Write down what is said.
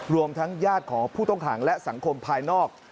รวมทั้งญาติของผู้ต้องขังและสังคมภายนอก